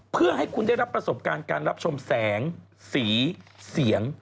เพื่อให้คุณได้รับประสบการณ์การรับชมแสงสีเสียง